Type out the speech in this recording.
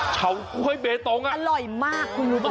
เฉาก๊วยเบตงค์อร่อยมากคุณรู้มั้ย